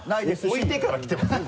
置いてから来てません？